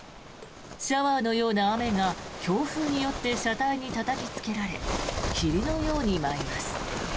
シャワーのような雨が強風によって車体にたたきつけられ霧のように舞います。